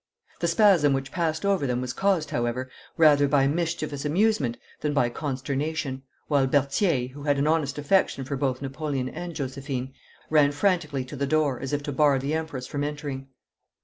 The spasm which passed over them was caused, however, rather by mischievous amusement than by consternation, while Berthier who had an honest affection for both Napoleon and Josephine ran frantically to the door as if to bar the Empress from entering.